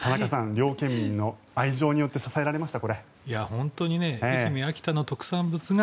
両県民の愛情によって支えられました。